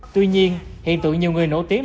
tuy nhiên hiện tượng nhiều người nổi tiếng